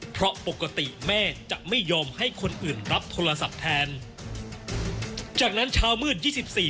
เพราะปกติแม่จะไม่ยอมให้คนอื่นรับโทรศัพท์แทนจากนั้นเช้ามืดยี่สิบสี่